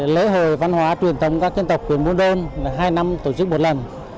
lễ hội văn hóa truyền thống các dân tộc huyền buôn đôn hai năm tổ chức một lần